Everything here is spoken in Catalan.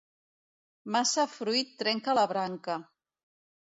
Massa fruit trenca la branca.